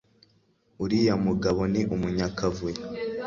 Uriya mugabo ni umunyakavuyo